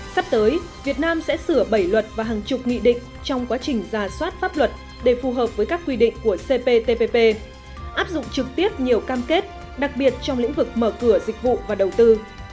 sắp tới việt nam sẽ sửa bảy luật và hàng chục nghị định trong quá trình ra soát pháp luật để phù hợp với các quy định của cptpp áp dụng trực tiếp nhiều cam kết đặc biệt trong lĩnh vực mở cửa dịch vụ và đầu tư